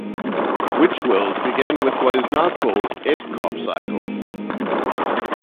Witch World begins with what is now called the Estcarp cycle.